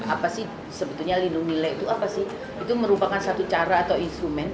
apa sih sebetulnya lindung nilai itu apa sih itu merupakan satu cara atau instrumen